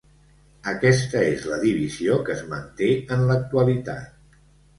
Aquesta és la divisió que es manté en l'actualitat.